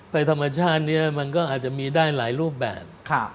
ธรรมชาตินี้มันก็อาจจะมีได้หลายรูปแบบ